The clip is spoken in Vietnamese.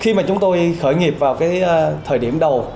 khi mà chúng tôi khởi nghiệp vào cái thời điểm đầu